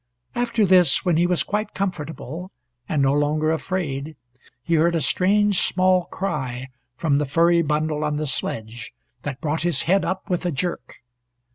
After this, when he was quite comfortable, and no longer afraid, he heard a strange small cry from the furry bundle on the sledge that brought his head up with a jerk.